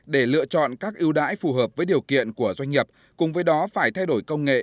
để lựa chọn các ưu đãi phù hợp với điều kiện của doanh nghiệp cùng với đó phải thay đổi công nghệ